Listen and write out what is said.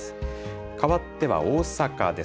かわっては大阪です。